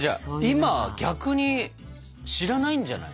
今は逆に知らないんじゃない？